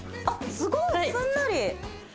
あっすごいすんなり！